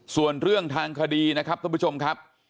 ส่วนเรื่องทางคดีนะครับท่านผู้ชมครับ